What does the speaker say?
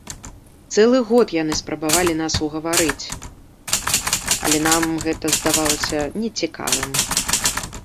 Цэлы год яны спрабавалі нас угаварыць, але нам гэта здавалася нецікавым.